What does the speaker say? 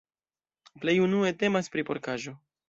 Plej unue temas pri porkaĵo.